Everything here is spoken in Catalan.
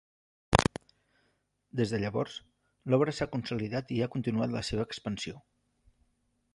Des de llavors, l'obra s'ha consolidat i ha continuat la seva expansió.